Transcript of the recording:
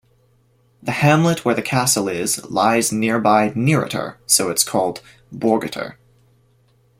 The hamlet where the castle is, lies nearby Neeritter, so it's called "Borgitter".